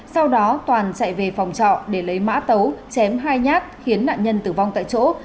sau đó toàn chạy về phòng trọ để lấy mã tấu chém hai nhát khiến nạn nhân tử vong tại chỗ